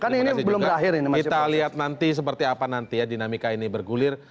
kita lihat nanti seperti apa nanti ya dinamika ini bergulir